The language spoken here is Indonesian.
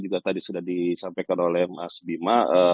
juga tadi sudah disampaikan oleh mas bima